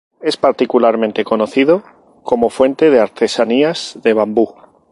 Es particularmente conocido como fuente de artesanías de bambú.